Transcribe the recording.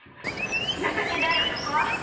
情けない男！